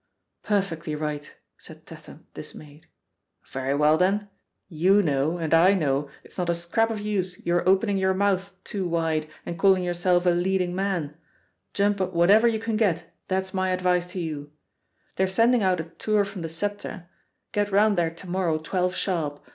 "Perfectly right," said Tatham, dismayed. "Very well, then! you know, and I know it's not a scrap of use your opening your mouth too wide and calling yourself a 'leading man.' Jump at whatever you can get, that's my advice to you. THE POSITION OF EEG6Y HARPER «7 They're sending out a tour from the Sceptre — get round there to morrow, twelve sharp.